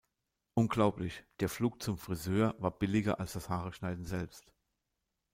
Unglaublich! Der Flug zum Frisör war billiger als das Haareschneiden selbst.